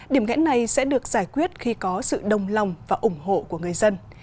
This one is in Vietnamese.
điểm nghẽn này sẽ được giải quyết khi có sự đồng lòng và ủng hộ của người dân